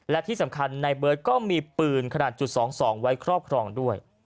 และที่สำคัญในเบิร์ตก็มีปืนขนาดจุด๒๒ไว้ครอบครองด้วย